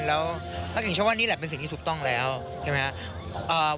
แล้วพักหนึ่งเชื่อว่านี่แหละเป็นสิ่งที่ถูกต้องแล้วใช่ไหมครับ